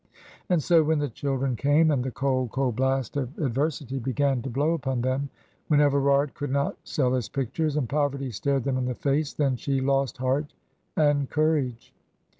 And so, when the children came, and the cold, cold blast of adversity began to blow upon them; when Everard could not sell his pictures, and poverty stared them in the face; then she lost heart and courage.